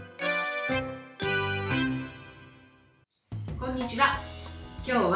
こんにちは。